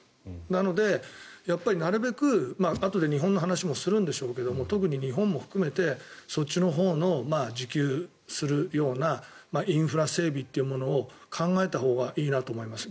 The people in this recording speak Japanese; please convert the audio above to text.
なのでなるべく、あとで日本の話もするんでしょうけれど特に日本も含めてそっちのほうの自給するようなインフラ整備というものを考えたほうがいいなと思います。